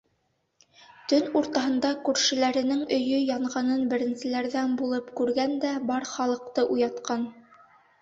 Төн уртаһында күршеләренең өйө янғанын беренселәрҙән булып күргән дә бар халыҡты уятҡан.